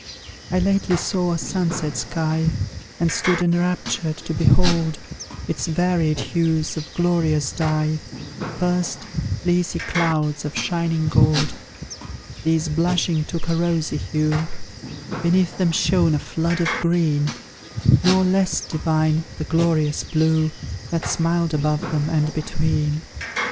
I lately saw a sunset sky, And stood enraptured to behold Its varied hues of glorious dye: First, fleecy clouds of shining gold; These blushing took a rosy hue; Beneath them shone a flood of green; Nor less divine, the glorious blue That smiled above them and between.